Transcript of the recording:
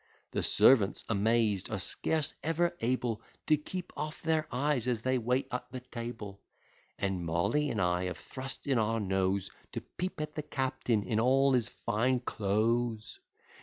The servants, amazed, are scarce ever able To keep off their eyes, as they wait at the table; And Molly and I have thrust in our nose, To peep at the captain in all his fine _clo'es.